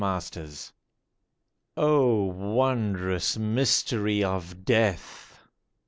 CATHARINE O WONDROUS mystery of death